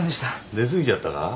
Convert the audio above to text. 寝過ぎちゃったか？